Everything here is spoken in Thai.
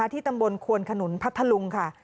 ที่ตำบลควนขนุนพัทธลุงค่ะ